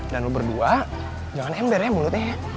dan lo berdua jangan ember ya mulutnya ya